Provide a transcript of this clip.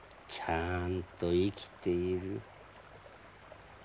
ちゃんと生きている。